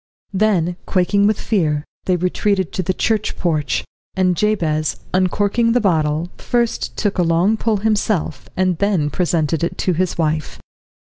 Then, quaking with fear, they retreated to the church porch, and Jabez, uncorking the bottle, first took a long pull himself, and then presented it to his wife.